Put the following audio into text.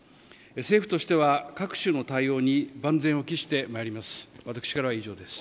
政府としては、各種の対応に万全を期してまいります。